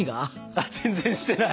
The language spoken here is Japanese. あっ全然してない！